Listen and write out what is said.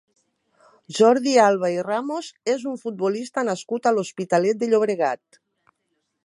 Jordi Alba i Ramos és un futbolista nascut a l'Hospitalet de Llobregat.